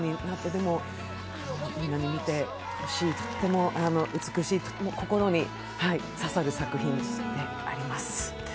でもみんなに見てほしい、美しい心に刺さる作品であります。